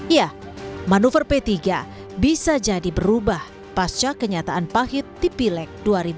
ya manuver p tiga bisa jadi berubah pasca kenyataan pahit di pileg dua ribu dua puluh